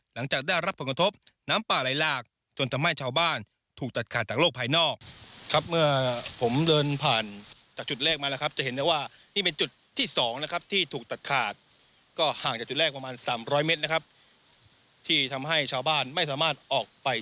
หลังจากได้รับผลกระทบน้ำปลาไล่หลากจนทำให้ชาวบ้านถูกตัดขาดจากโลกภายนอก